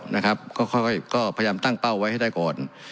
นะครับก็ค่อยก็พยายามตั้งเป้าไว้ให้ได้ก่อน